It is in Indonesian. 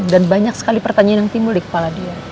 banyak sekali pertanyaan yang timbul di kepala dia